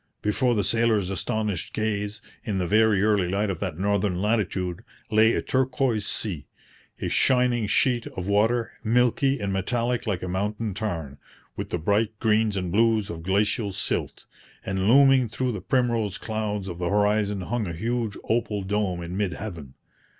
Before the sailors' astonished gaze, in the very early light of that northern latitude, lay a turquoise sea a shining sheet of water, milky and metallic like a mountain tarn, with the bright greens and blues of glacial silt; and looming through the primrose clouds of the horizon hung a huge opal dome in mid heaven.